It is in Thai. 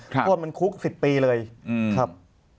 พวกมันคุกสิบปีเลยครับ